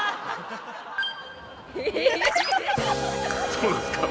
そうなんですか？